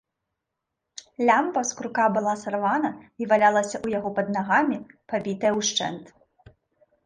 Лямпа з крука была сарвана і валялася ў яго пад нагамі, пабітая ўшчэнт.